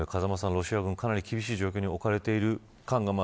風間さん、ロシア軍かなり厳しい状況に置かれている。